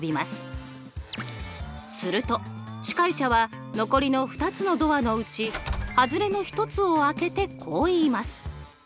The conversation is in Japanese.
すると司会者は残りの２つのドアのうち外れの１つを開けてこう言います。